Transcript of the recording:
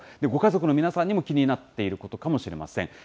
ご家族の皆さんにも気になっていることかもしれません。